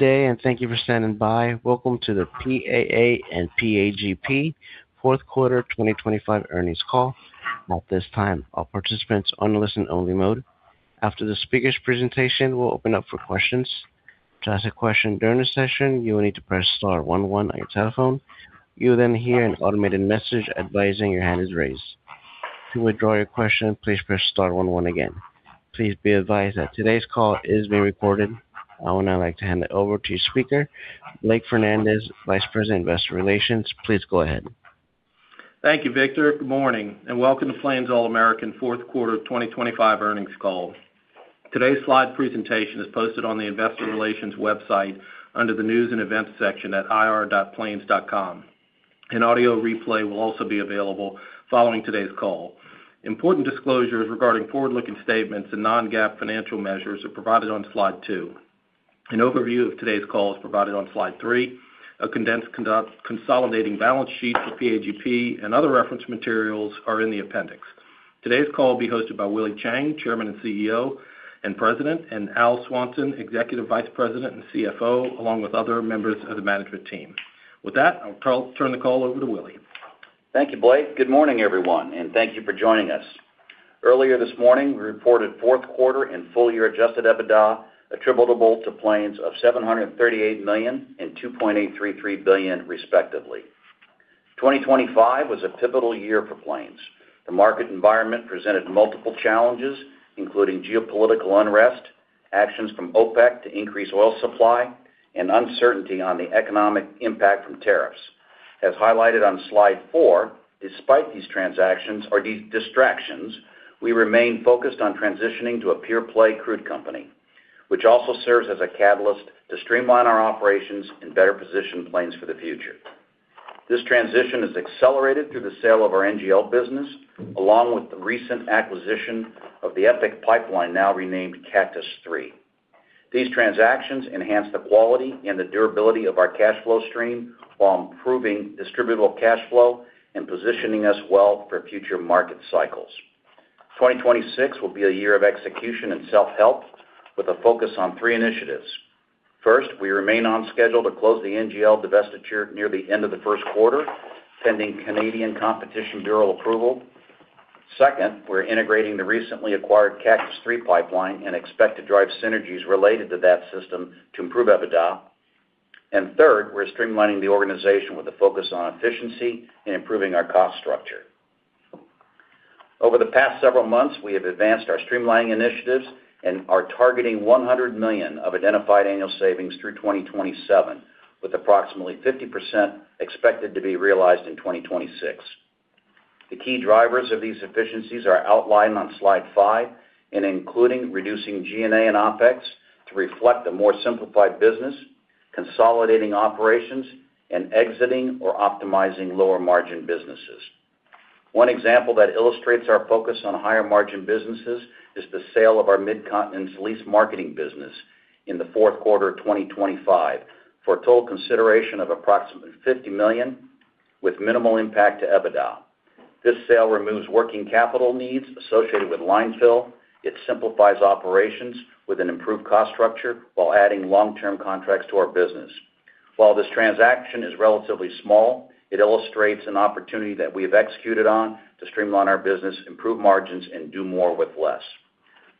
Good day, and thank you for standing by. Welcome to the PAA and PAGP fourth quarter 2025 earnings call. At this time, all participants are on a listen-only mode. After the speaker's presentation, we'll open up for questions. To ask a question during the session, you will need to press star one one on your telephone. You will then hear an automated message advising your hand is raised. To withdraw your question, please press star one one again. Please be advised that today's call is being recorded. I would now like to hand it over to your speaker, Blake Fernandez, Vice President Investor Relations. Please go ahead. Thank you, Victor. Good morning, and welcome to Plains All American fourth quarter 2025 earnings call. Today's slide presentation is posted on the Investor Relations website under the news and events section at ir.plains.com. An audio replay will also be available following today's call. Important disclosures regarding forward-looking statements and non-GAAP financial measures are provided on slide two. An overview of today's call is provided on slide three. A condensed consolidating balance sheet for PAGP and other reference materials are in the appendix. Today's call will be hosted by Willie Chiang, Chairman and CEO and President, and Al Swanson, Executive Vice President and CFO, along with other members of the management team. With that, I'll turn the call over to Willie. Thank you, Blake. Good morning, everyone, and thank you for joining us. Earlier this morning, we reported fourth quarter and full-year adjusted EBITDA attributable to Plains of $738 million and $2.833 billion, respectively. 2025 was a pivotal year for Plains. The market environment presented multiple challenges, including geopolitical unrest, actions from OPEC to increase oil supply, and uncertainty on the economic impact from tariffs. As highlighted on slide four, despite these transactions or these distractions, we remain focused on transitioning to a pure-play crude company, which also serves as a catalyst to streamline our operations and better position Plains for the future. This transition is accelerated through the sale of our NGL business, along with the recent acquisition of the EPIC pipeline, now renamed Cactus 3. These transactions enhance the quality and the durability of our cash flow stream while improving distributable cash flow and positioning us well for future market cycles. 2026 will be a year of execution and self-help, with a focus on three initiatives. First, we remain on schedule to close the NGL divestiture near the end of the first quarter, pending Canadian Competition Bureau approval. Second, we're integrating the recently acquired Cactus 3 pipeline and expect to drive synergies related to that system to improve EBITDA. And third, we're streamlining the organization with a focus on efficiency and improving our cost structure. Over the past several months, we have advanced our streamlining initiatives and are targeting $100 million of identified annual savings through 2027, with approximately 50% expected to be realized in 2026. The key drivers of these efficiencies are outlined on slide five, including reducing G&A and OPEX to reflect a more simplified business, consolidating operations, and exiting or optimizing lower-margin businesses. One example that illustrates our focus on higher-margin businesses is the sale of our Mid-Continent's lease marketing business in the fourth quarter of 2025 for a total consideration of approximately $50 million, with minimal impact to EBITDA. This sale removes working capital needs associated with line fill. It simplifies operations with an improved cost structure while adding long-term contracts to our business. While this transaction is relatively small, it illustrates an opportunity that we have executed on to streamline our business, improve margins, and do more with less.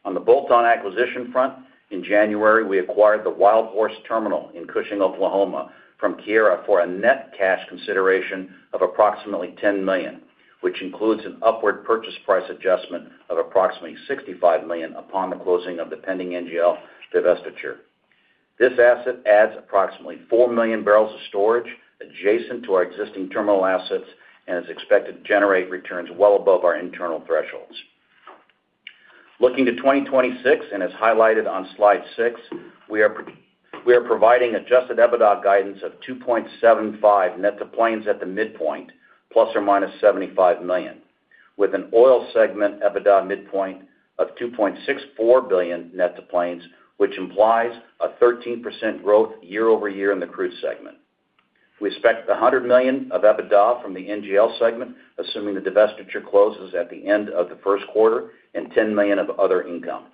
On the bolt-on acquisition front, in January, we acquired the Wildhorse Terminal in Cushing, Oklahoma, from Keyera for a net cash consideration of approximately $10 million, which includes an upward purchase price adjustment of approximately $65 million upon the closing of the pending NGL divestiture. This asset adds approximately four million barrels of storage adjacent to our existing terminal assets and is expected to generate returns well above our internal thresholds. Looking to 2026, and as highlighted on slide six, we are providing adjusted EBITDA guidance of $2.75 billion net to Plains at the midpoint, ±$75 million, with an oil segment EBITDA midpoint of $2.64 billion net to Plains, which implies a 13% year-over-year growth in the crude segment. We expect $100 million of EBITDA from the NGL segment, assuming the divestiture closes at the end of the first quarter, and $10 million of other income.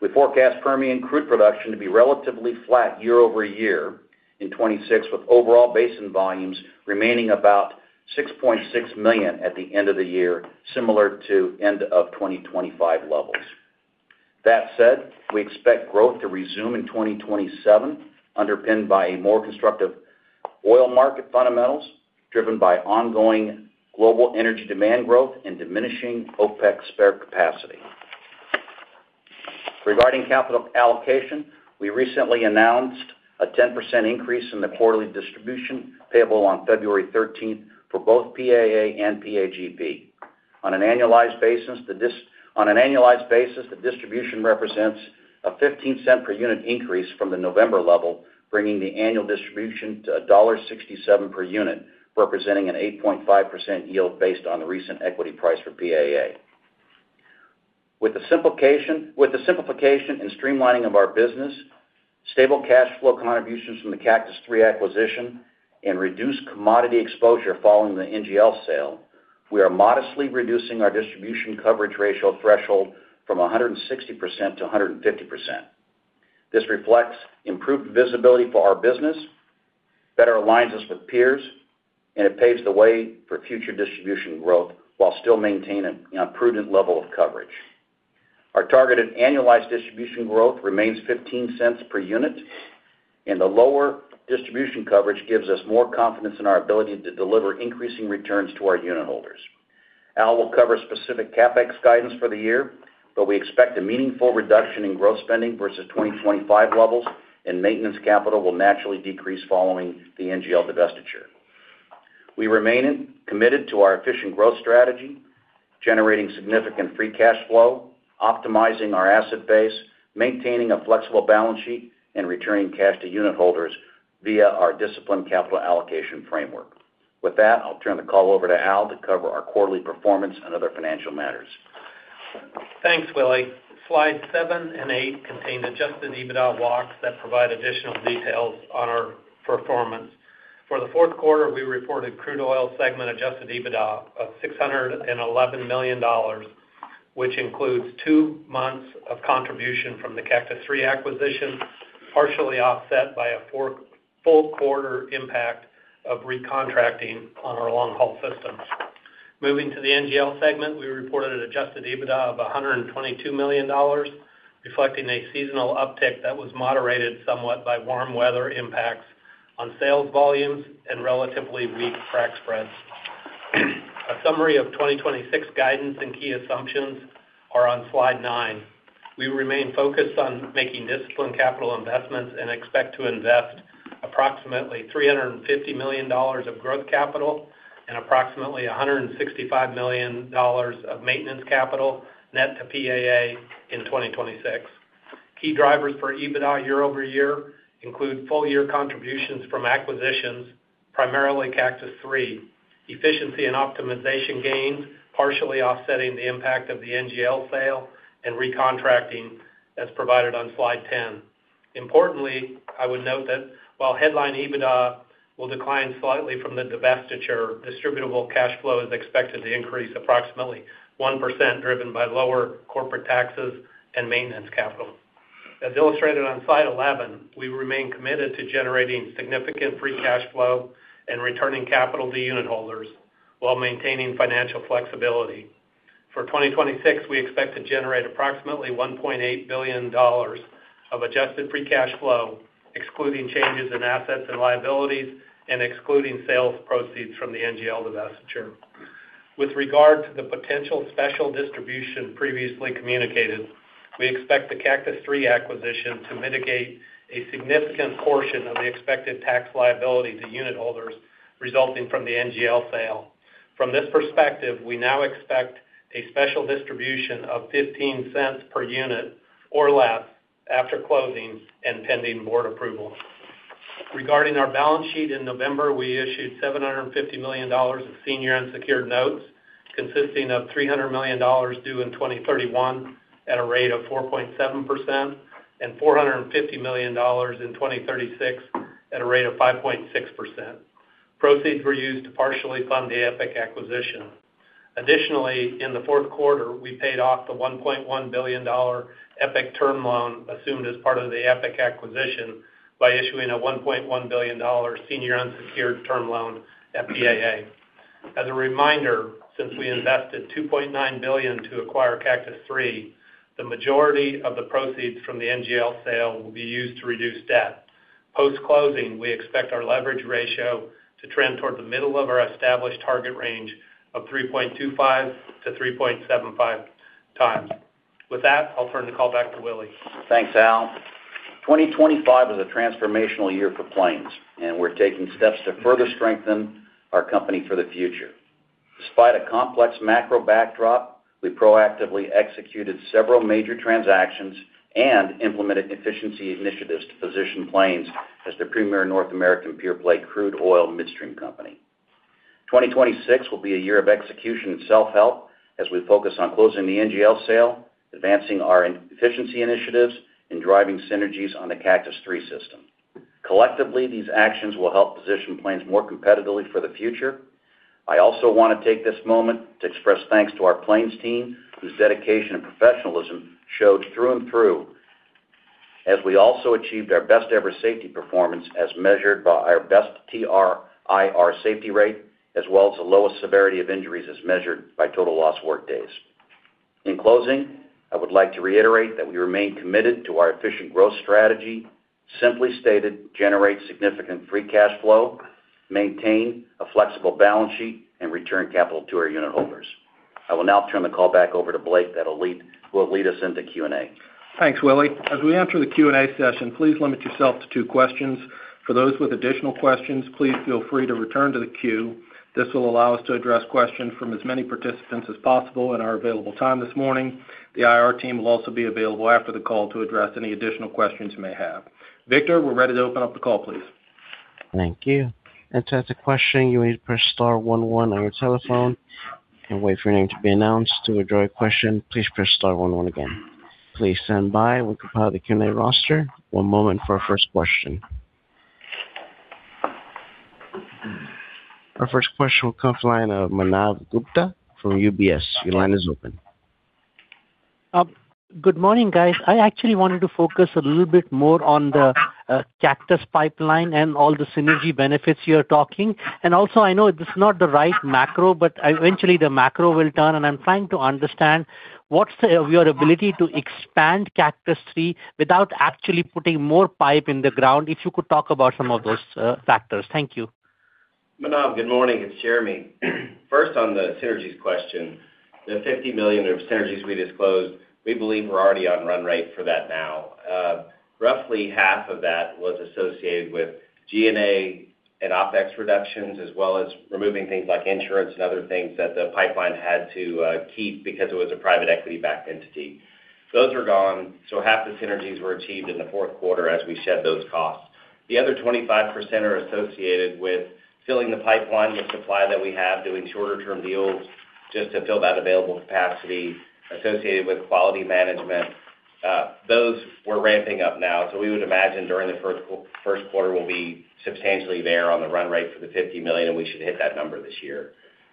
We forecast Permian crude production to be relatively flat year-over-year in 2026, with overall basin volumes remaining about 6.6 million at the end of the year, similar to end-of-2025 levels. That said, we expect growth to resume in 2027, underpinned by more constructive oil market fundamentals driven by ongoing global energy demand growth and diminishing OPEX spare capacity. Regarding capital allocation, we recently announced a 10% increase in the quarterly distribution payable on February 13th for both PAA and PAGP. On an annualized basis, the distribution represents a $0.15-per-unit increase from the November level, bringing the annual distribution to $1.67 per unit, representing an 8.5% yield based on the recent equity price for PAA. With the simplification and streamlining of our business, stable cash flow contributions from the Cactus 3 acquisition, and reduced commodity exposure following the NGL sale, we are modestly reducing our distribution coverage ratio threshold from 160% to 150%. This reflects improved visibility for our business, better aligns us with peers, and it paves the way for future distribution growth while still maintaining a prudent level of coverage. Our targeted annualized distribution growth remains $0.15 per unit, and the lower distribution coverage gives us more confidence in our ability to deliver increasing returns to our unit holders. Al will cover specific CapEx guidance for the year, but we expect a meaningful reduction in growth spending versus 2025 levels, and maintenance capital will naturally decrease following the NGL divestiture. We remain committed to our efficient growth strategy, generating significant free cash flow, optimizing our asset base, maintaining a flexible balance sheet, and returning cash to unit holders via our disciplined capital allocation framework. With that, I'll turn the call over to Al to cover our quarterly performance and other financial matters. Thanks, Willie. Slides seven and eight contain adjusted EBITDA walks that provide additional details on our performance. For the fourth quarter, we reported crude oil segment adjusted EBITDA of $611 million, which includes two months of contribution from the Cactus 3 acquisition, partially offset by a full quarter impact of recontracting on our long-haul system. Moving to the NGL segment, we reported an adjusted EBITDA of $122 million, reflecting a seasonal uptick that was moderated somewhat by warm weather impacts on sales volumes and relatively weak frac spreads. A summary of 2026 guidance and key assumptions are on slide nine. We remain focused on making disciplined capital investments and expect to invest approximately $350 million of growth capital and approximately $165 million of maintenance capital net to PAA in 2026. Key drivers for EBITDA year-over-year include full-year contributions from acquisitions, primarily Cactus 3, efficiency and optimization gains, partially offsetting the impact of the NGL sale, and recontracting, as provided on slide 10. Importantly, I would note that while headline EBITDA will decline slightly from the divestiture, distributable cash flow is expected to increase approximately 1%, driven by lower corporate taxes and maintenance capital. As illustrated on slide 11, we remain committed to generating significant free cash flow and returning capital to unit holders while maintaining financial flexibility. For 2026, we expect to generate approximately $1.8 billion of adjusted free cash flow, excluding changes in assets and liabilities and excluding sales proceeds from the NGL divestiture. With regard to the potential special distribution previously communicated, we expect the Cactus 3 acquisition to mitigate a significant portion of the expected tax liability to unit holders resulting from the NGL sale. From this perspective, we now expect a special distribution of 15 cents per unit or less after closing and pending board approval. Regarding our balance sheet in November, we issued $750 million of senior unsecured notes, consisting of $300 million due in 2031 at a rate of 4.7% and $450 million in 2036 at a rate of 5.6%. Proceeds were used to partially fund the EPIC acquisition. Additionally, in the fourth quarter, we paid off the $1.1 billion EPIC term loan assumed as part of the EPIC acquisition by issuing a $1.1 billion senior unsecured term loan at PAA. As a reminder, since we invested $2.9 billion to acquire Cactus 3, the majority of the proceeds from the NGL sale will be used to reduce debt. Post-closing, we expect our leverage ratio to trend toward the middle of our established target range of 3.25-3.75 times. With that, I'll turn the call back to Willie. Thanks, Al. 2025 was a transformational year for Plains, and we're taking steps to further strengthen our company for the future. Despite a complex macro backdrop, we proactively executed several major transactions and implemented efficiency initiatives to position Plains as the premier North American peer-play crude oil midstream company. 2026 will be a year of execution and self-help as we focus on closing the NGL sale, advancing our efficiency initiatives, and driving synergies on the Cactus 3 system. Collectively, these actions will help position Plains more competitively for the future. I also want to take this moment to express thanks to our Plains team, whose dedication and professionalism showed through and through, as we also achieved our best-ever safety performance as measured by our best TRIR safety rate, as well as the lowest severity of injuries as measured by total lost workdays. In closing, I would like to reiterate that we remain committed to our efficient growth strategy, simply stated, generate significant free cash flow, maintain a flexible balance sheet, and return capital to our unit holders. I will now turn the call back over to Blake, who will lead us into Q&A. Thanks, Willie. As we enter the Q&A session, please limit yourself to two questions. For those with additional questions, please feel free to return to the queue. This will allow us to address questions from as many participants as possible in our available time this morning. The IR team will also be available after the call to address any additional questions you may have. Victor, we're ready to open up the call, please. Thank you. To ask a question, you may press star one one on your telephone and wait for your name to be announced. To address your question, please press star one one again. Please stand by. We'll compile the Q&A roster. One moment for our first question. Our first question will come from Manav Gupta from UBS. Your line is open. Good morning, guys. I actually wanted to focus a little bit more on the Cactus Pipeline and all the synergy benefits you are talking. And also, I know this is not the right macro, but eventually the macro will turn. And I'm trying to understand what's your ability to expand Cactus 3 without actually putting more pipe in the ground, if you could talk about some of those factors. Thank you. Manav, good morning. It's Jeremy. First, on the synergies question, the $50 million of synergies we disclosed, we believe we're already on run rate for that now. Roughly half of that was associated with G&A and OPEX reductions, as well as removing things like insurance and other things that the pipeline had to keep because it was a private equity-backed entity. Those are gone, so half the synergies were achieved in the fourth quarter as we shed those costs. The other 25% are associated with filling the pipeline with supply that we have, doing shorter-term deals just to fill that available capacity, associated with quality management. Those were ramping up now. So we would imagine during the first quarter, we'll be substantially there on the run rate for the $50 million, and we should hit that number this year.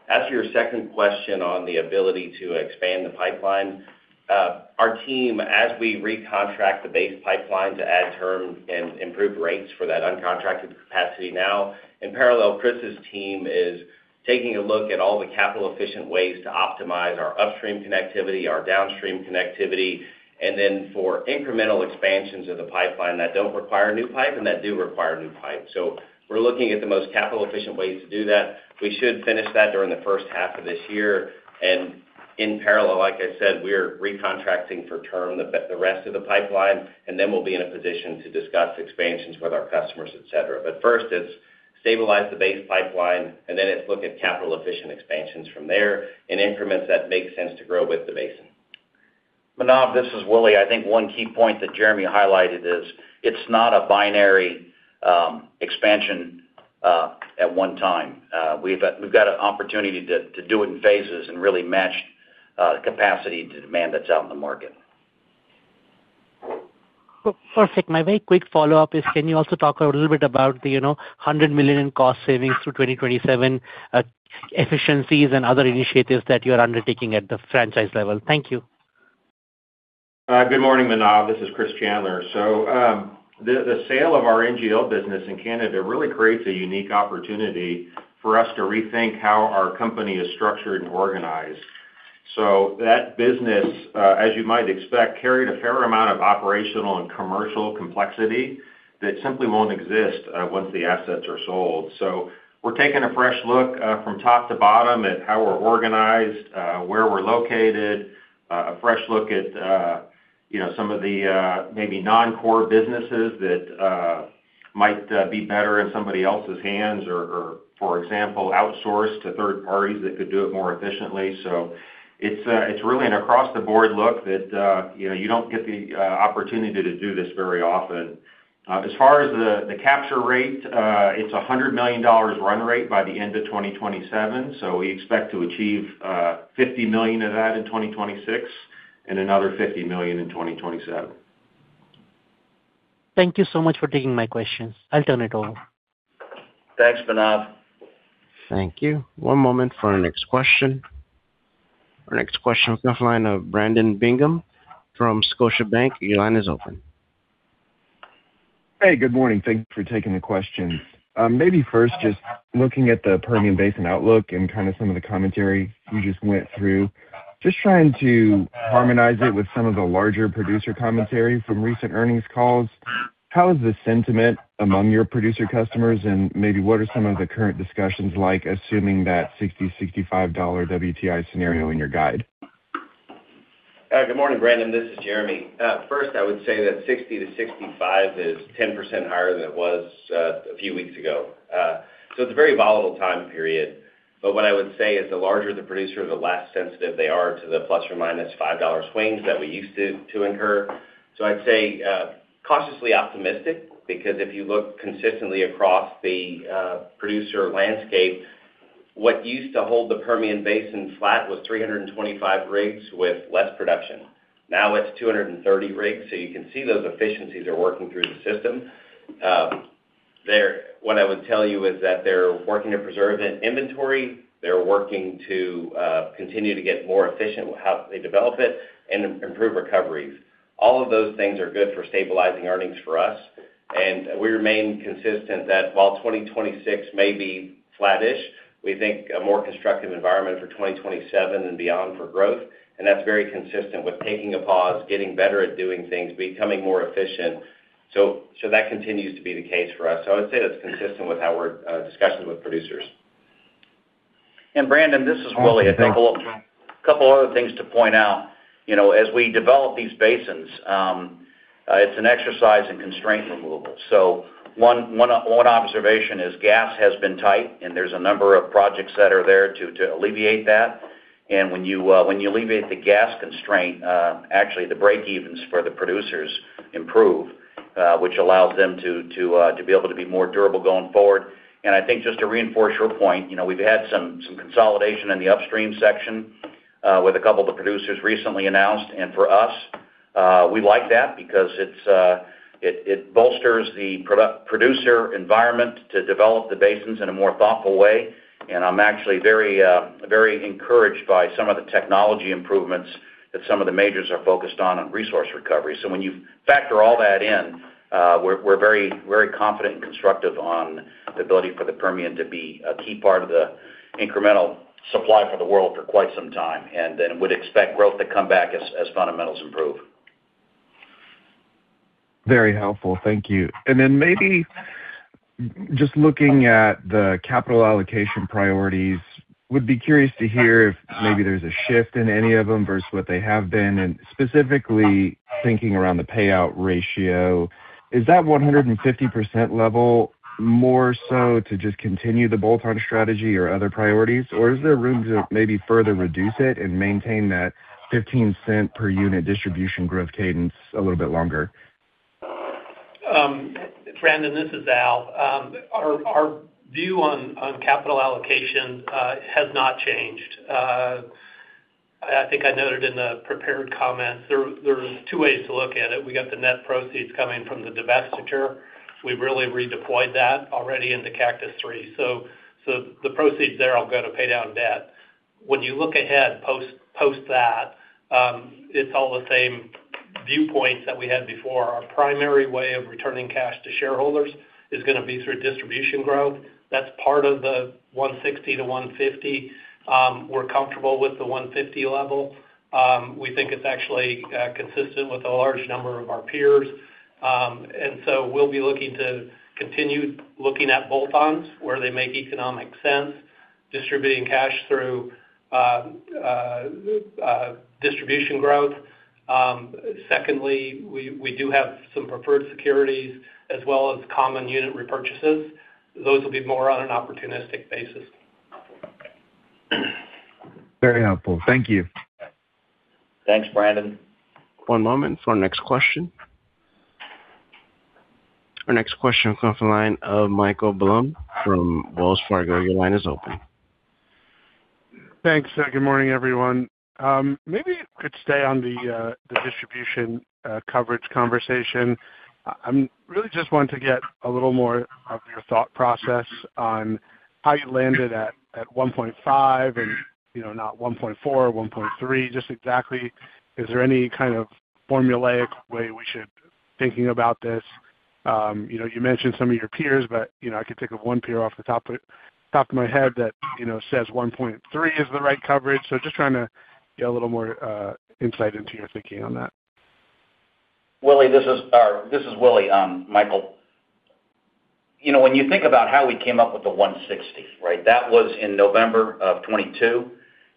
As for your second question on the ability to expand the pipeline, our team, as we recontract the base pipeline to add term and improve rates for that uncontracted capacity now, in parallel, Chris's team is taking a look at all the capital-efficient ways to optimize our upstream connectivity, our downstream connectivity, and then for incremental expansions of the pipeline that don't require new pipe and that do require new pipe. So we're looking at the most capital-efficient ways to do that. We should finish that during the first half of this year. And in parallel, like I said, we're recontracting for term the rest of the pipeline, and then we'll be in a position to discuss expansions with our customers, etc. But first, it's stabilize the base pipeline, and then it's look at capital-efficient expansions from there in increments that make sense to grow with the basin. Manav, this is Willie. I think one key point that Jeremy highlighted is it's not a binary expansion at one time. We've got an opportunity to do it in phases and really match the capacity to demand that's out in the market. Perfect. My very quick follow-up is, can you also talk a little bit about the $100 million in cost savings through 2027, efficiencies, and other initiatives that you are undertaking at the franchise level? Thank you. Good morning, Manav. This is Chris Chandler. So the sale of our NGL business in Canada really creates a unique opportunity for us to rethink how our company is structured and organized. So that business, as you might expect, carried a fair amount of operational and commercial complexity that simply won't exist once the assets are sold. So we're taking a fresh look from top to bottom at how we're organized, where we're located, a fresh look at some of the maybe non-core businesses that might be better in somebody else's hands or, for example, outsourced to third parties that could do it more efficiently. So it's really an across-the-board look that you don't get the opportunity to do this very often. As far as the capture rate, it's a $100 million run rate by the end of 2027. We expect to achieve $50 million of that in 2026 and another $50 million in 2027. Thank you so much for taking my questions. I'll turn it over. Thanks, Manav. Thank you. One moment for our next question. Our next question will come from Brandon Bingham from Scotiabank. Your line is open. Hey, good morning. Thanks for taking the questions. Maybe first, just looking at the Permian Basin outlook and kind of some of the commentary you just went through, just trying to harmonize it with some of the larger producer commentary from recent earnings calls. How is the sentiment among your producer customers, and maybe what are some of the current discussions like, assuming that $60-$65 WTI scenario in your guide? Good morning, Brandon. This is Jeremy. First, I would say that 60-65 is 10% higher than it was a few weeks ago. So it's a very volatile time period. But what I would say is the larger the producer, the less sensitive they are to the ±$5 swings that we used to incur. So I'd say cautiously optimistic because if you look consistently across the producer landscape, what used to hold the Permian Basin flat was 325 rigs with less production. Now it's 230 rigs. So you can see those efficiencies are working through the system. What I would tell you is that they're working to preserve inventory. They're working to continue to get more efficient how they develop it and improve recoveries. All of those things are good for stabilizing earnings for us. We remain consistent that while 2026 may be flat-ish, we think a more constructive environment for 2027 and beyond for growth. That's very consistent with taking a pause, getting better at doing things, becoming more efficient. That continues to be the case for us. I would say that's consistent with our discussions with producers. And Brandon, this is Willie. I think a couple other things to point out. As we develop these basins, it's an exercise in constraint removal. So one observation is gas has been tight, and there's a number of projects that are there to alleviate that. And when you alleviate the gas constraint, actually, the break-evens for the producers improve, which allows them to be able to be more durable going forward. And I think just to reinforce your point, we've had some consolidation in the upstream section with a couple of the producers recently announced. And for us, we like that because it bolsters the producer environment to develop the basins in a more thoughtful way. And I'm actually very encouraged by some of the technology improvements that some of the majors are focused on, on resource recovery. When you factor all that in, we're very confident and constructive on the ability for the Permian to be a key part of the incremental supply for the world for quite some time. Then we'd expect growth to come back as fundamentals improve. Very helpful. Thank you. And then maybe just looking at the capital allocation priorities, would be curious to hear if maybe there's a shift in any of them versus what they have been. And specifically thinking around the payout ratio, is that 150% level more so to just continue the bolt-on strategy or other priorities, or is there room to maybe further reduce it and maintain that $0.15-per-unit distribution growth cadence a little bit longer? Brandon, this is Al. Our view on capital allocation has not changed. I think I noted in the prepared comments, there's two ways to look at it. We got the net proceeds coming from the divestiture. We've really redeployed that already into Cactus 3. So the proceeds there, I'll go to pay down debt. When you look ahead post that, it's all the same viewpoints that we had before. Our primary way of returning cash to shareholders is going to be through distribution growth. That's part of the 160-150. We're comfortable with the 150 level. We think it's actually consistent with a large number of our peers. And so we'll be looking to continue looking at bolt-ons where they make economic sense, distributing cash through distribution growth. Secondly, we do have some preferred securities as well as common unit repurchases. Those will be more on an opportunistic basis. Very helpful. Thank you. Thanks, Brandon. One moment for our next question. Our next question will come from Michael Blum from Wells Fargo. Your line is open. Thanks. Good morning, everyone. Maybe it could stay on the distribution coverage conversation. I really just want to get a little more of your thought process on how you landed at 1.5 and not 1.4, 1.3, just exactly. Is there any kind of formulaic way we should be thinking about this? You mentioned some of your peers, but I could think of one peer off the top of my head that says 1.3 is the right coverage. So just trying to get a little more insight into your thinking on that. Willie, this is Willie, Michael. When you think about how we came up with the 160, right, that was in November of 2022,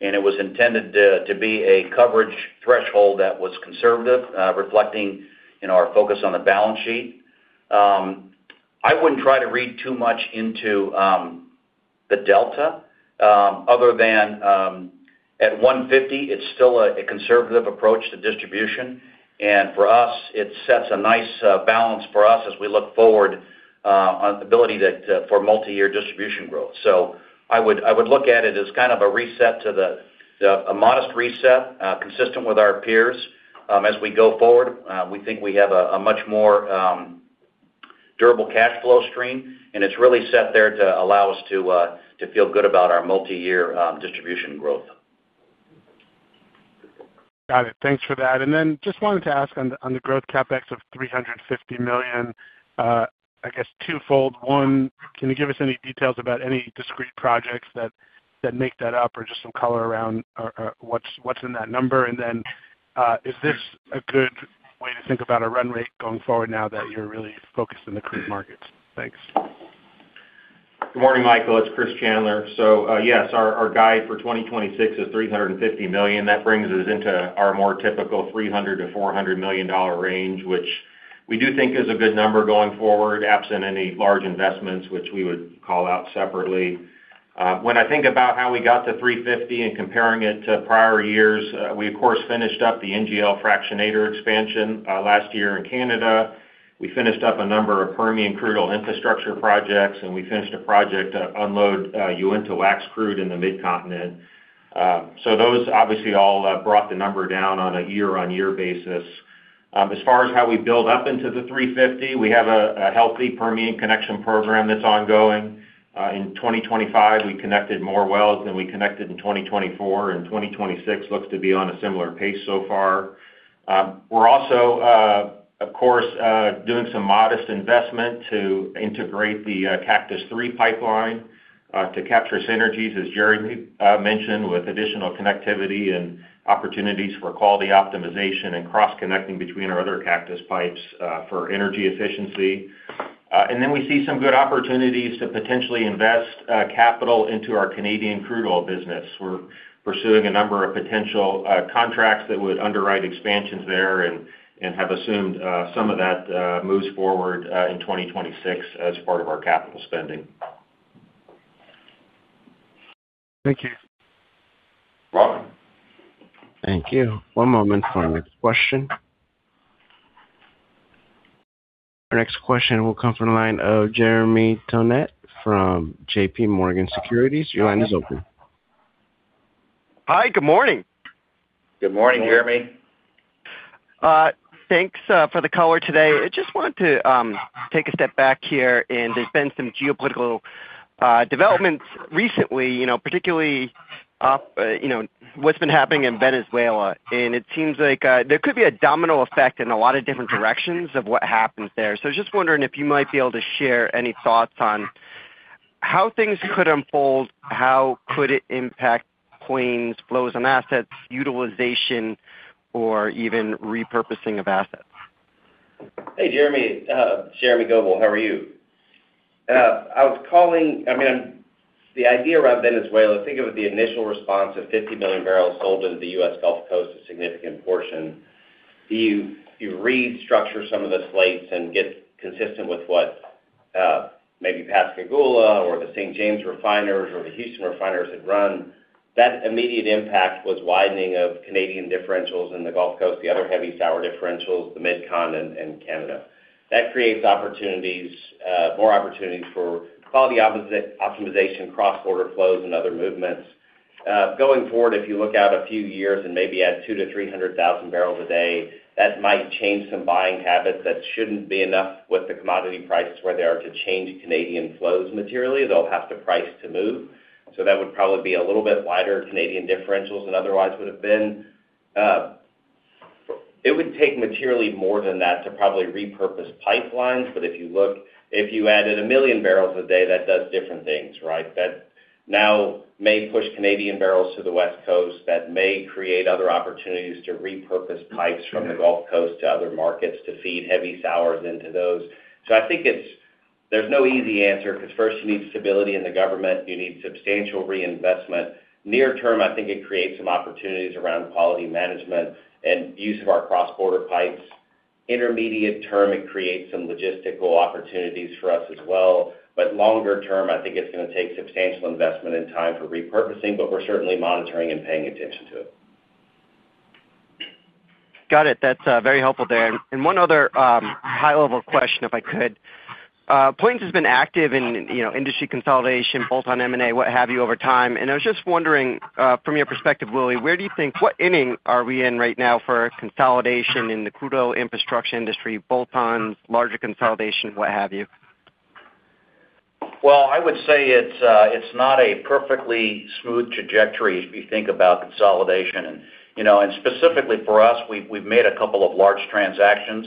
and it was intended to be a coverage threshold that was conservative, reflecting our focus on the balance sheet. I wouldn't try to read too much into the delta other than at 150, it's still a conservative approach to distribution. And for us, it sets a nice balance for us as we look forward on the ability for multi-year distribution growth. So I would look at it as kind of a modest reset, consistent with our peers. As we go forward, we think we have a much more durable cash flow stream, and it's really set there to allow us to feel good about our multi-year distribution growth. Got it. Thanks for that. And then just wanted to ask on the growth capex of $350 million, I guess, twofold. One, can you give us any details about any discrete projects that make that up or just some color around what's in that number? And then is this a good way to think about a run rate going forward now that you're really focused in the crude markets? Thanks. Good morning, Michael. It's Chris Chandler. So yes, our guide for 2026 is $350 million. That brings us into our more typical $300 million-$400 million range, which we do think is a good number going forward, absent any large investments, which we would call out separately. When I think about how we got to $350 million and comparing it to prior years, we, of course, finished up the NGL fractionator expansion last year in Canada. We finished up a number of Permian crude oil infrastructure projects, and we finished a project to unload Uinta wax crude in the Mid-Continent. So those obviously all brought the number down on a year-on-year basis. As far as how we build up into the $350 million, we have a healthy Permian connection program that's ongoing. In 2025, we connected more wells than we connected in 2024. And 2026 looks to be on a similar pace so far. We're also, of course, doing some modest investment to integrate the Cactus 3 pipeline to capture synergies, as Jeremy mentioned, with additional connectivity and opportunities for quality optimization and cross-connecting between our other Cactus pipes for energy efficiency. And then we see some good opportunities to potentially invest capital into our Canadian crude oil business. We're pursuing a number of potential contracts that would underwrite expansions there, and I have assumed some of that moves forward in 2026 as part of our capital spending. Thank you. Robin. Thank you. One moment for our next question. Our next question will come from the line of Jeremy Tonet from J.P. Morgan Securities. Your line is open. Hi. Good morning. Good morning, Jeremy. Thanks for the call today. I just wanted to take a step back here. There's been some geopolitical developments recently, particularly what's been happening in Venezuela. It seems like there could be a domino effect in a lot of different directions of what happens there. I was just wondering if you might be able to share any thoughts on how things could unfold, how could it impact Plains, flows on assets, utilization, or even repurposing of assets? Hey, Jeremy. Jeremy Goebel. How are you? I mean, the idea around Venezuela, think of the initial response of 50 million barrels sold to the U.S. Gulf Coast, a significant portion. If you restructure some of the slates and get consistent with what maybe Pascagoula or the St. James refiners or the Houston refiners had run, that immediate impact was widening of Canadian differentials in the Gulf Coast, the other heavy sour differentials, the Mid-Continent, and Canada. That creates more opportunities for quality optimization, cross-border flows, and other movements. Going forward, if you look out a few years and maybe add 200,000-300,000 barrels a day, that might change some buying habits that shouldn't be enough with the commodity prices where they are to change Canadian flows materially. They'll have to price to move. So that would probably be a little bit wider Canadian differentials than otherwise would have been. It would take materially more than that to probably repurpose pipelines. But if you added 1 million barrels a day, that does different things, right? That now may push Canadian barrels to the West Coast. That may create other opportunities to repurpose pipes from the Gulf Coast to other markets to feed heavy sours into those. So I think there's no easy answer because first, you need stability in the government. You need substantial reinvestment. Near term, I think it creates some opportunities around quality management and use of our cross-border pipes. Intermediate term, it creates some logistical opportunities for us as well. But longer term, I think it's going to take substantial investment and time for repurposing. But we're certainly monitoring and paying attention to it. Got it. That's very helpful there. And one other high-level question, if I could. Plains has been active in industry consolidation, bolt-on M&A, what have you, over time. And I was just wondering, from your perspective, Willie, where do you think, what inning are we in right now for consolidation in the crude oil infrastructure industry, bolt-ons, larger consolidation, what have you? Well, I would say it's not a perfectly smooth trajectory if you think about consolidation. Specifically for us, we've made a couple of large transactions.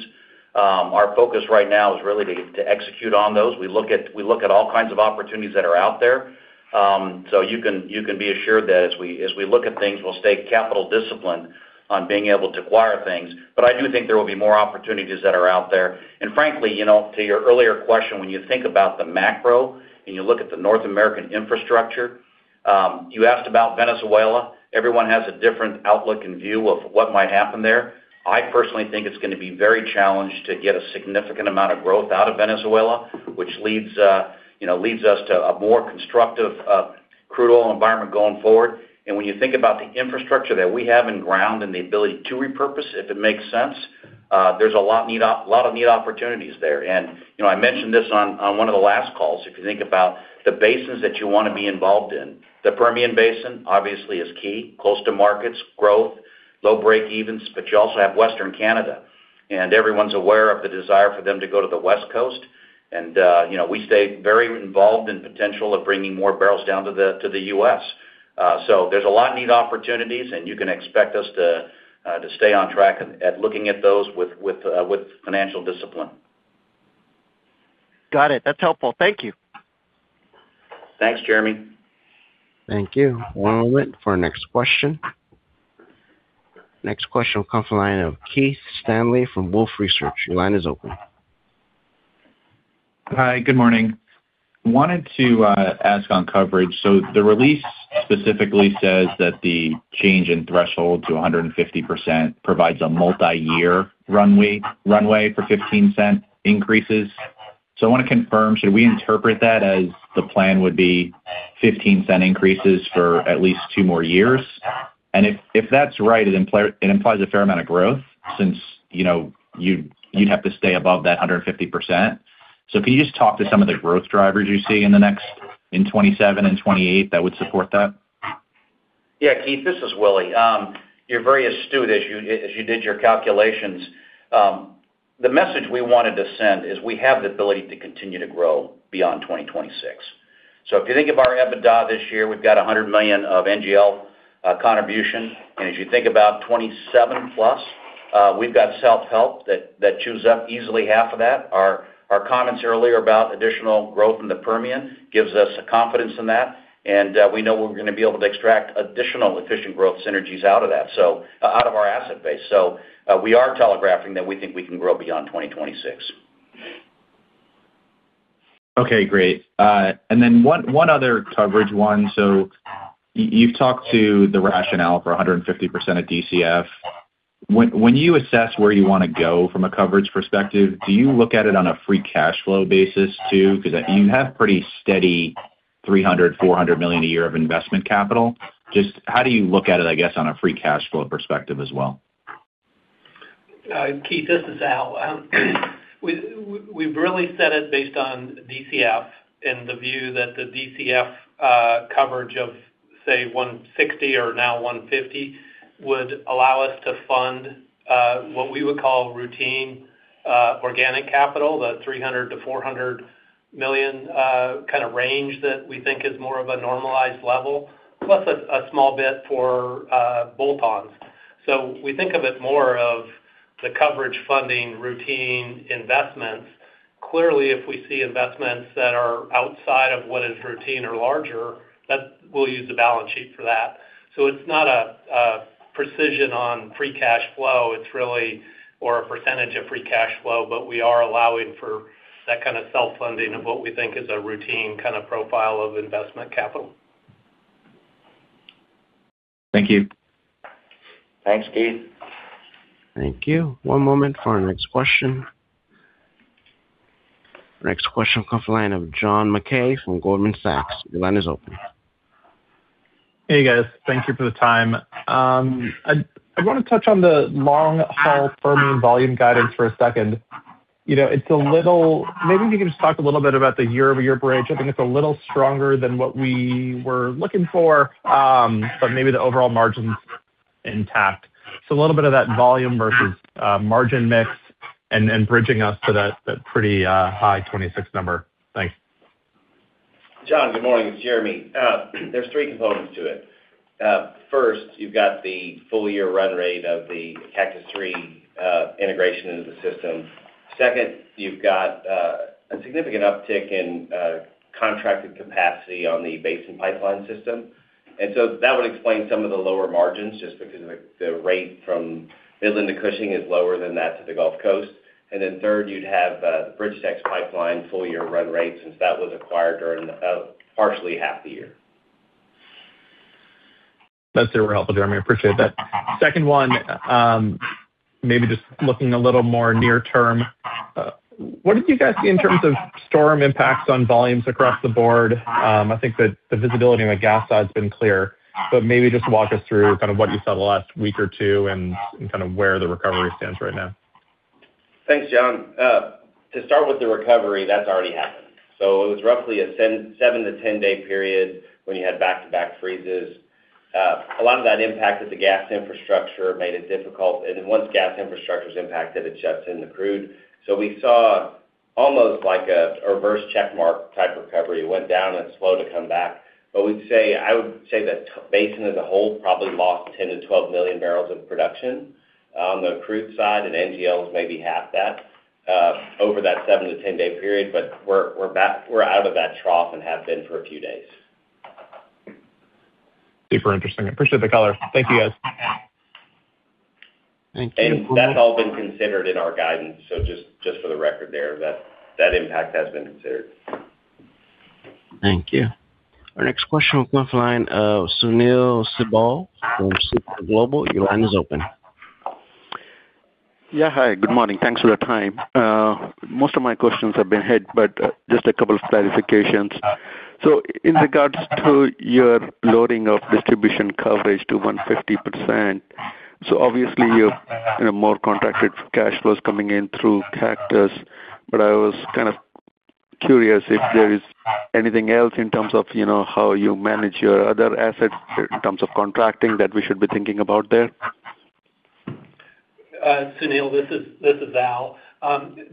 Our focus right now is really to execute on those. We look at all kinds of opportunities that are out there. So you can be assured that as we look at things, we'll stay capital disciplined on being able to acquire things. But I do think there will be more opportunities that are out there. And frankly, to your earlier question, when you think about the macro and you look at the North American infrastructure, you asked about Venezuela. Everyone has a different outlook and view of what might happen there. I personally think it's going to be very challenged to get a significant amount of growth out of Venezuela, which leads us to a more constructive crude oil environment going forward. When you think about the infrastructure that we have in ground and the ability to repurpose, if it makes sense, there's a lot of neat opportunities there. And I mentioned this on one of the last calls. If you think about the basins that you want to be involved in, the Permian Basin, obviously, is key, close to markets, growth, low break-evens. But you also have Western Canada. And everyone's aware of the desire for them to go to the West Coast. And we stay very involved in the potential of bringing more barrels down to the U.S. So there's a lot of neat opportunities, and you can expect us to stay on track at looking at those with financial discipline. Got it. That's helpful. Thank you. Thanks, Jeremy. Thank you. One moment for our next question. Next question will come from the line of Keith Stanley from Wolfe Research. Your line is open. Hi. Good morning. Wanted to ask on coverage. So the release specifically says that the change in threshold to 150% provides a multi-year runway for $0.15 increases. So I want to confirm, should we interpret that as the plan would be $0.15 increases for at least two more years? And if that's right, it implies a fair amount of growth since you'd have to stay above that 150%. So can you just talk to some of the growth drivers you see in 2027 and 2028 that would support that? Yeah, Keith. This is Willie. You're very astute as you did your calculations. The message we wanted to send is we have the ability to continue to grow beyond 2026. So if you think of our EBITDA this year, we've got $100 million of NGL contribution. And as you think about 2027+, we've got self-help that chews up easily half of that. Our comments earlier about additional growth in the Permian gives us confidence in that. And we know we're going to be able to extract additional efficient growth synergies out of our asset base. So we are telegraphing that we think we can grow beyond 2026. Okay. Great. And then one other coverage one. So you've talked to the rationale for 150% of DCF. When you assess where you want to go from a coverage perspective, do you look at it on a free cash flow basis too? Because you have pretty steady $300-$400 million a year of investment capital. How do you look at it, I guess, on a free cash flow perspective as well? Keith, this is Al. We've really set it based on DCF and the view that the DCF coverage of, say, 160 or now 150 would allow us to fund what we would call routine organic capital, the $300 million-$400 million kind of range that we think is more of a normalized level, plus a small bit for bolt-ons. So we think of it more of the coverage funding routine investments. Clearly, if we see investments that are outside of what is routine or larger, we'll use the balance sheet for that. So it's not a precision on free cash flow or a percentage of free cash flow, but we are allowing for that kind of self-funding of what we think is a routine kind of profile of investment capital. Thank you. Thanks, Keith. Thank you. One moment for our next question. Next question will come from the line of John McKay from Goldman Sachs. Your line is open. Hey, guys. Thank you for the time. I want to touch on the long-haul Permian volume guidance for a second. It's a little maybe if you could just talk a little bit about the year-over-year bridge. I think it's a little stronger than what we were looking for, but maybe the overall margin's intact. So a little bit of that volume versus margin mix and bridging us to that pretty high 26 number. Thanks. John, good morning. It's Jeremy. There are three components to it. First, you've got the full-year run rate of the Cactus 3 integration into the system. Second, you've got a significant uptick in contracted capacity on the Basin pipeline system. And so that would explain some of the lower margins just because the rate from Midland to Cushing is lower than that to the Gulf Coast. And then third, you'd have the BridgeTex's pipeline full-year run rate since that was acquired partially half the year. Those two were helpful, Jeremy. I appreciate that. Second one, maybe just looking a little more near term, what did you guys see in terms of storm impacts on volumes across the board? I think that the visibility on the gas side's been clear. But maybe just walk us through kind of what you saw the last week or two and kind of where the recovery stands right now. Thanks, John. To start with the recovery, that's already happened. So it was roughly a 7- to 10-day period when you had back-to-back freezes. A lot of that impacted the gas infrastructure, made it difficult. And then once gas infrastructure's impacted, it shuts in the crude. So we saw almost like a reverse checkmark type recovery. It went down and it's slow to come back. But I would say that basin as a whole probably lost 10-12 million barrels of production on the crude side, and NGL's maybe half that over that 7- to 10-day period. But we're out of that trough and have been for a few days. Super interesting. Appreciate the color. Thank you, guys. Thank you. That's all been considered in our guidance. Just for the record there, that impact has been considered. Thank you. Our next question will come from the line of Sunil Sibal from Seaport Global. Your line is open. Yeah. Hi. Good morning. Thanks for your time. Most of my questions have been hit, but just a couple of clarifications. So in regards to your loading of distribution coverage to 150%, so obviously, you have more contracted cash flows coming in through Cactus. But I was kind of curious if there is anything else in terms of how you manage your other assets in terms of contracting that we should be thinking about there. Sunil, this is Al.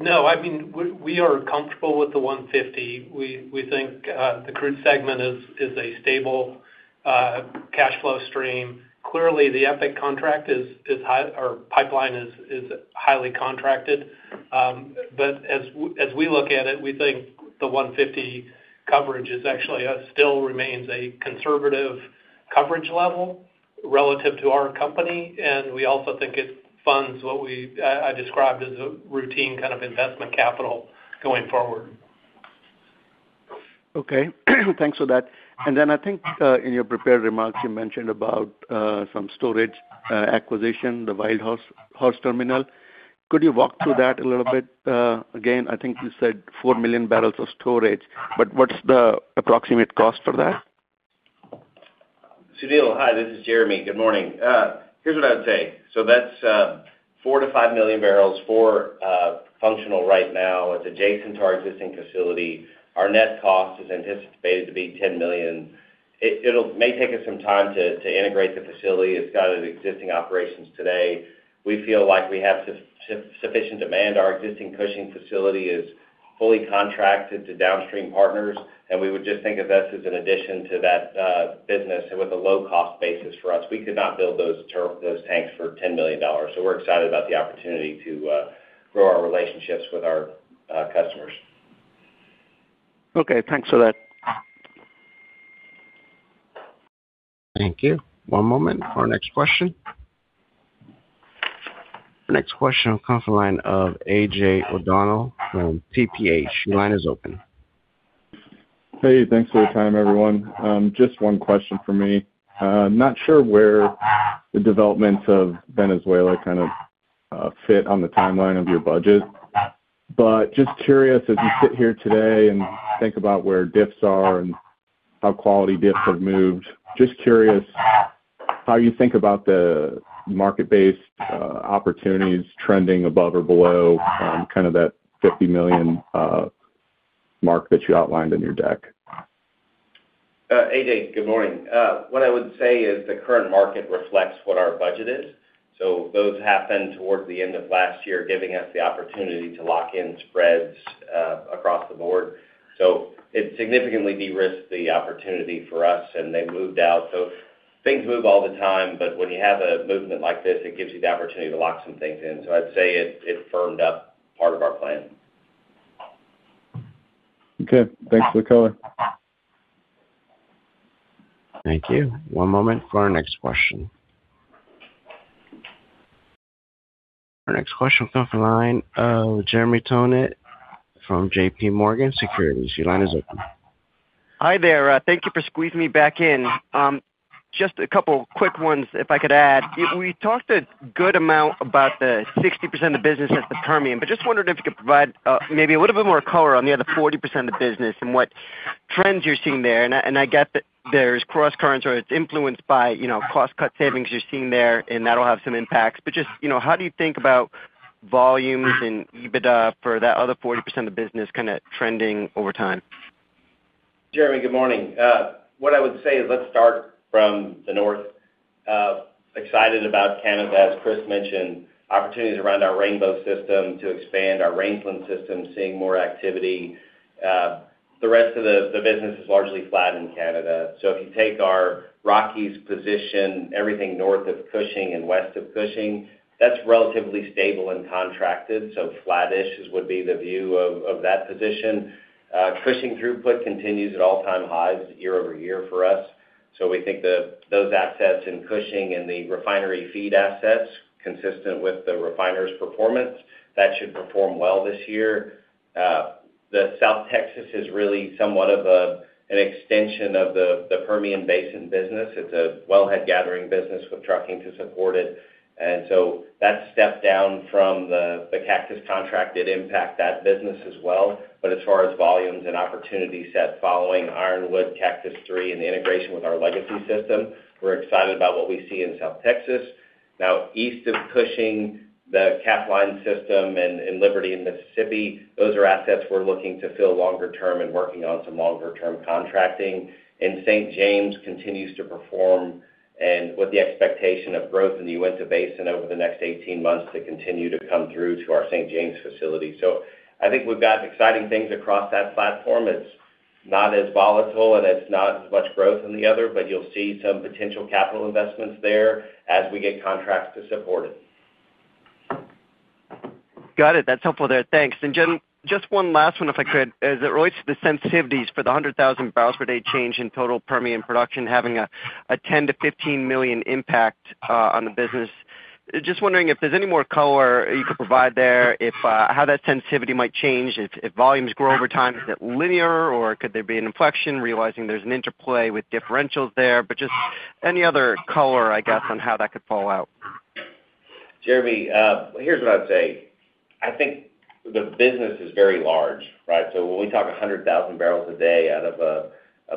No, I mean, we are comfortable with the 150. We think the crude segment is a stable cash flow stream. Clearly, the EPIC Crude Pipeline is highly contracted. But as we look at it, we think the 150 coverage still remains a conservative coverage level relative to our company. And we also think it funds what I described as a routine kind of investment capital going forward. Okay. Thanks for that. And then I think in your prepared remarks, you mentioned about some storage acquisition, the Wildhorse Terminal. Could you walk through that a little bit? Again, I think you said 4 million barrels of storage. But what's the approximate cost for that? Sunil, hi. This is Jeremy. Good morning. Here's what I would say. So that's 4-5 million barrels for functional right now. It's adjacent to our existing facility. Our net cost is anticipated to be $10 million. It may take us some time to integrate the facility. It's got its existing operations today. We feel like we have sufficient demand. Our existing Cushing facility is fully contracted to downstream partners. And we would just think of this as an addition to that business with a low-cost basis for us. We could not build those tanks for $10 million. So we're excited about the opportunity to grow our relationships with our customers. Okay. Thanks for that. Thank you. One moment for our next question. Next question will come from the line of AJ O'Donnell from Tudor, Pickering, Holt & Co. Your line is open. Hey. Thanks for your time, everyone. Just one question for me. Not sure where the developments of Venezuela kind of fit on the timeline of your budget. But just curious, as you sit here today and think about where DIFs are and how quality DIFs have moved, just curious how you think about the market-based opportunities trending above or below kind of that $50 million mark that you outlined in your deck. AJ, good morning. What I would say is the current market reflects what our budget is. So those happened towards the end of last year, giving us the opportunity to lock in spreads across the board. So it significantly de-risked the opportunity for us, and they moved out. So things move all the time. But when you have a movement like this, it gives you the opportunity to lock some things in. So I'd say it firmed up part of our plan. Okay. Thanks for the color. Thank you. One moment for our next question. Our next question will come from the line of Jeremy Tonet from J.P. Morgan Securities. Your line is open. Hi there. Thank you for squeezing me back in. Just a couple quick ones if I could add. We talked a good amount about the 60% of the business at the Permian. But just wondering if you could provide maybe a little bit more color on the other 40% of business and what trends you're seeing there. And I get that there's cross-currents or it's influenced by cost-cut savings you're seeing there, and that'll have some impacts. But just how do you think about volumes and EBITDA for that other 40% of business kind of trending over time? Jeremy, good morning. What I would say is let's start from the north. Excited about Canada, as Chris mentioned, opportunities around our Rainbow system to expand our Rangeland system, seeing more activity. The rest of the business is largely flat in Canada. So if you take our Rockies position, everything north of Cushing and west of Cushing, that's relatively stable and contracted. So flat-ish would be the view of that position. Cushing throughput continues at all-time highs year-over-year for us. So we think that those assets in Cushing and the refinery feed assets consistent with the refiner's performance, that should perform well this year. The South Texas is really somewhat of an extension of the Permian Basin business. It's a wellhead gathering business with trucking to support it. And so that stepped down from the Cactus contract. It impacted that business as well. But as far as volumes and opportunity set following Ironwood, Cactus 3, and the integration with our legacy system, we're excited about what we see in South Texas. Now, east of Cushing, the Capline system, and Liberty and Mississippi, those are assets we're looking to fill longer-term and working on some longer-term contracting. And St. James continues to perform with the expectation of growth in the Uinta Basin over the next 18 months to continue to come through to our St. James facility. So I think we've got exciting things across that platform. It's not as volatile, and it's not as much growth in the other. But you'll see some potential capital investments there as we get contracts to support it. Got it. That's helpful there. Thanks. And just one last one, if I could, as it relates to the sensitivities for the 100,000 barrels per day change in total Permian production having a $10 million-$15 million impact on the business, just wondering if there's any more color you could provide there, how that sensitivity might change, if volumes grow over time, is it linear, or could there be an inflection realizing there's an interplay with differentials there? But just any other color, I guess, on how that could fall out. Jeremy, here's what I'd say. I think the business is very large, right? So when we talk 100,000 barrels a day out of a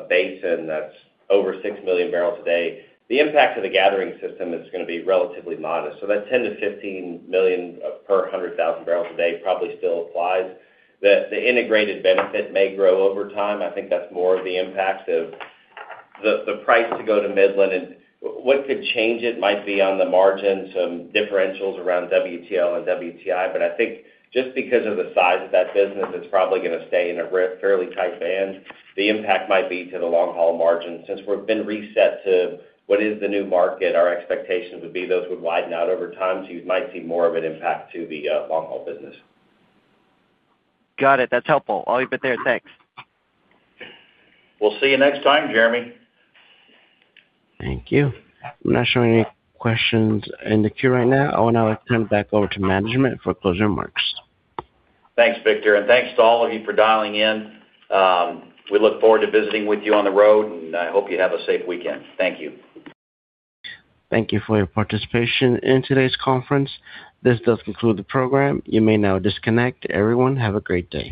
basin that's over six million barrels a day, the impact to the gathering system is going to be relatively modest. So that $10-$15 million per 100,000 barrels a day probably still applies. The integrated benefit may grow over time. I think that's more of the impact of the price to go to Midland. And what could change it might be on the margin, some differentials around WTL and WTI. But I think just because of the size of that business, it's probably going to stay in a fairly tight band. The impact might be to the long-haul margin. Since we've been reset to what is the new market, our expectations would be those would widen out over time. So you might see more of an impact to the long-haul business. Got it. That's helpful. I'll leave it there. Thanks. We'll see you next time, Jeremy. Thank you. I'm not showing any questions in the queue right now. I want to turn it back over to management for closing remarks. Thanks, Victor. Thanks to all of you for dialing in. We look forward to visiting with you on the road, and I hope you have a safe weekend. Thank you. Thank you for your participation in today's conference. This does conclude the program. You may now disconnect. Everyone, have a great day.